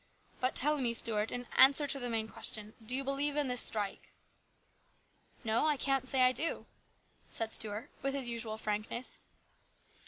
" But tell me, Stuart, in answer to the main question, do you believe in this strike ?"" No, I can't say I do," said Stuart with his usual frankness.